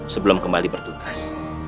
sebelum kembali bertugas